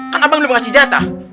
kan abang belum kasih jatah